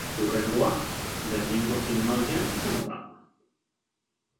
Hurrengoa, Berlingo Zinemaldian izango da.